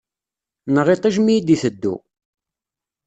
Neɣ iṭij mi i d-iteddu.